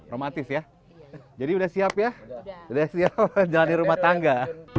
romantis ya jadi sudah siap ya sudah siap jalan di rumah tangga